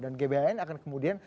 dan gbhn akan kemudian